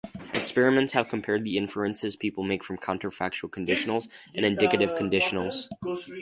Experiments have compared the inferences people make from counterfactual conditionals and indicative conditionals.